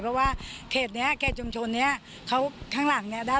เพราะว่าเกษเนี้ยเกษชมชนเนี้ยเขาข้างหลังเนี้ย